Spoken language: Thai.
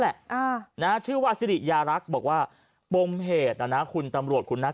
แหละอ่านะชื่อว่าสิริยารักษ์บอกว่าปมเหตุนะนะคุณตำรวจคุณนัก